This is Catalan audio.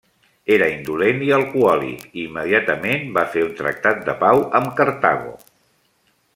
Era indolent i alcohòlic i immediatament va fer un tractat de pau amb Cartago.